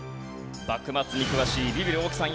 幕末に詳しいビビる大木さん